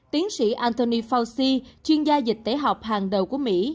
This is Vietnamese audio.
tiến sĩ antony fauci chuyên gia dịch tễ học hàng đầu của mỹ